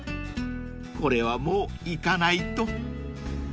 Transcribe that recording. ［これはもう行かないと］